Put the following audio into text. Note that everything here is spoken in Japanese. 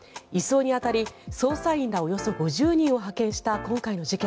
移送に当たり、捜査員らおよそ５０人を派遣した今回の事件。